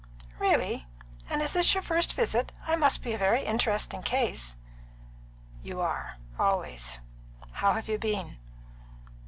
"Really? And is this your first visit? I must be a very interesting case." "You are always. How have you been?"